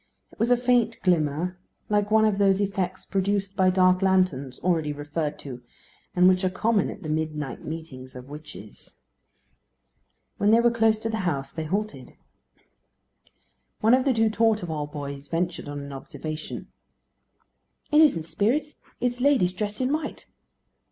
It was a faint glimmer, like one of those effects produced by dark lanterns, already referred to, and which are common at the midnight meetings of witches. When they were close to the house they halted. One of the two Torteval boys ventured on an observation: "It isn't spirits: it is ladies dressed in white."